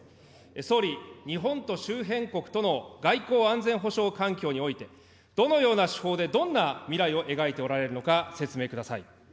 総理、日本と周辺国との外交・安全保障環境において、どのような手法で、どんな未来を描いておられるのか、説明ください。